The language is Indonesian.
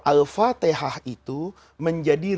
al fatihah itu menjadi